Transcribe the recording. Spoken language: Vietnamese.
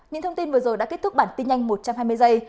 những thông tin vừa rồi đã kết thúc bản tin nhanh một trăm hai mươi giây